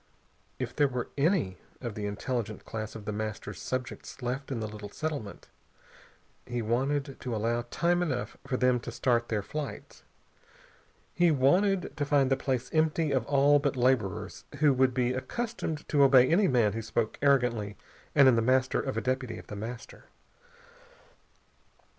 If there were any of the intelligent class of The Master's subjects left in the little settlement, he wanted to allow time enough for them to start their flight. He wanted to find the place empty of all but laborers, who would be accustomed to obey any man who spoke arrogantly and in the manner of a deputy of The Master.